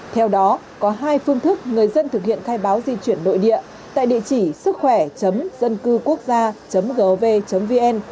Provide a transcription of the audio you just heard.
theo đó có hai phương thức người dân thực hiện khai báo di chuyển nội địa tại địa chỉ sứckhoẻ dâncưquốcgia gov vn